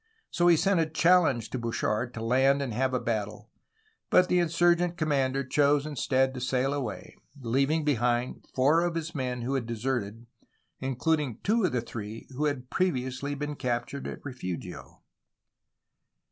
So he sent a challenge to Bouchard to land and have a battle, but the insurgent commander chose instead to sail away, leaving behind four of his men who had deserted, including two of the three who had previously been captured at Refugio.